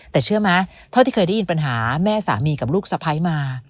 แต่เชื่อไหมเท่าที่เคยได้ยินปัญหาแม่สามีกับลูกสะพ้ายมา